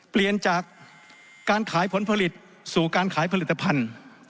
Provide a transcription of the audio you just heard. เปลี่ยนจากการขายผลผลิตสู่การขายผลิตภัณฑ์